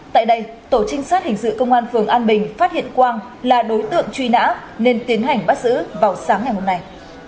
tại đây tổ trinh sát hình sự công an phường an bình phát hiện quang là đối tượng truy nã nên tiến hành bắt giữ vào sáng ngày hôm nay